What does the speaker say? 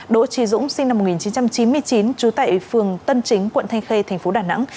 đỗ trì dũng sinh năm một nghìn chín trăm chín mươi chín trú tại phường tân chính quận thanh khê tp đà nẵng